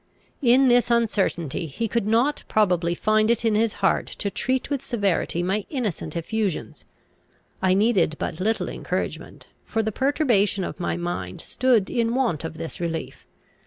In this uncertainty he could not probably find it in his heart to treat with severity my innocent effusions. I needed but little encouragement; for the perturbation of my mind stood in want of this relief.